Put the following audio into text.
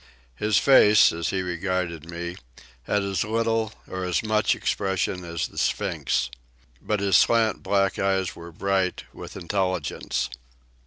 His face, as he regarded me, had as little or as much expression as the Sphinx. But his slant, black eyes were bright, with intelligence.